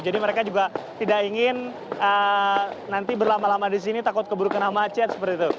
jadi mereka juga tidak ingin nanti berlama lama di sini takut keburu kena macet seperti itu